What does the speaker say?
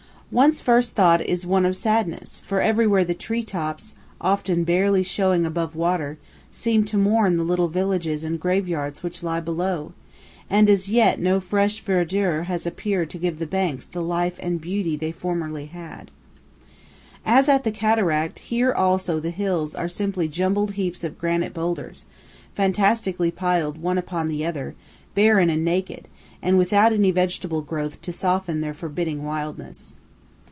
One's first thought is one of sadness, for everywhere the tree tops, often barely showing above water, seem to mourn the little villages and graveyards which lie below, and as yet no fresh verdure has appeared to give the banks the life and beauty they formerly had. As at the cataract, here also the hills are simply jumbled heaps of granite boulders, fantastically piled one upon the other, barren and naked, and without any vegetable growth to soften their forbidding wildness.